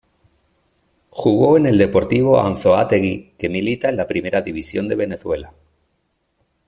Jugó en el Deportivo Anzoátegui que milita en la Primera División de Venezuela.